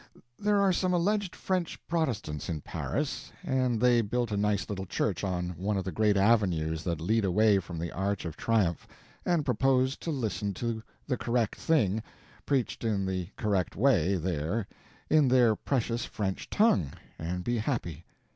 There are some alleged French Protestants in Paris, and they built a nice little church on one of the great avenues that lead away from the Arch of Triumph, and proposed to listen to the correct thing, preached in the correct way, there, in their precious French tongue, and be happy.